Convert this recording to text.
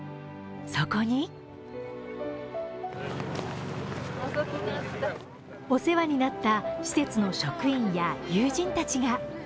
そこにお世話になった施設の職員や友人たちが。